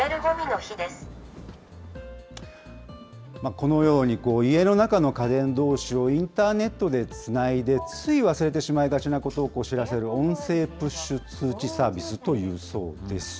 このように家の中の家電どうしをインターネットでつないで、つい忘れてしまいがちなことを知らせる音声プッシュ通知サービスというんだそうです。